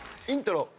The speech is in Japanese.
イントロ。